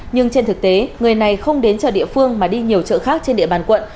nhưng trên thực tế người này không đến chợ địa phương mà đi nhiều chợ khác trên địa bàn quận